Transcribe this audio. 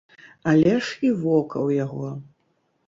Але ж і вока ў яго.